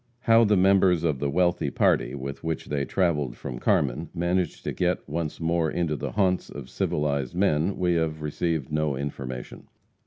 How the members of the wealthy party, with which they travelled from Carmen, managed to get once more into the haunts of civilized men, we have received no information.